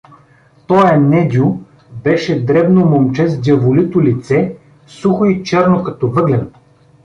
Тоя Недю беше дребно момче с дяволито лице, сухо и черно като въглен.